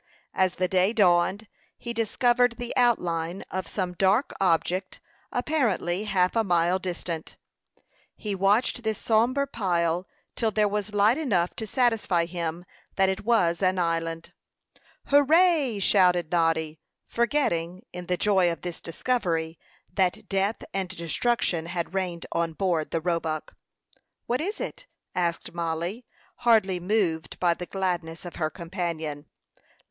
As the day dawned, he discovered the outline of some dark object, apparently half a mile distant. He watched this sombre pile till there was light enough to satisfy him that it was an island. "Hurrah!" shouted Noddy, forgetting, in the joy of this discovery, that death and destruction had reigned on board the Roebuck. "What is it?" asked Mollie, hardly moved by the gladness of her companion.